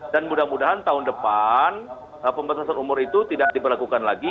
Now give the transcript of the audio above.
dan mudah mudahan tahun depan pemerintahan umur itu tidak diberlakukan lagi